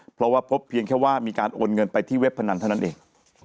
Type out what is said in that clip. เพราะว่าพบเพียงแค่ว่ามีการโอนเงินไปที่เว็บพนันเท่านั้นเอง